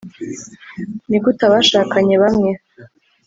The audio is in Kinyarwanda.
nigute abashakanye bamwe